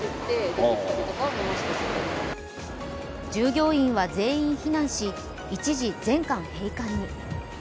従業員は全員避難し、一時、全館閉館に。